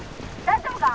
「大丈夫か？」。